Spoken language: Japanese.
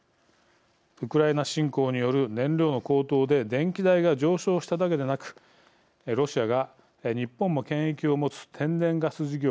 ウクライナ侵攻による燃料の高騰で電気代が上昇しただけでなくロシアが、日本も権益を持つ天然ガス事業